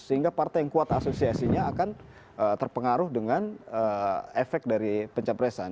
sehingga partai yang kuat asosiasinya akan terpengaruh dengan efek dari pencapresan